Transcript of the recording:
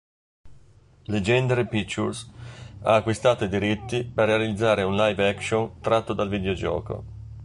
Legendary Pictures ha acquistato i diritti per realizzare un live action tratto dal videogioco.